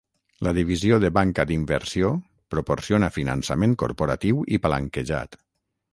La divisió de banca d'inversió proporciona finançament corporatiu i palanquejat.